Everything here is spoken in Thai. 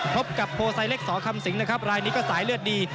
พบกับโพไซเล็กสอคำสิงนะครับรายนี้ก็สายเลือดดี